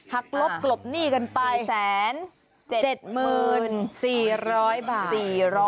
หักลบกลบหนี้กันไป